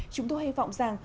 chúng tôi hy vọng rằng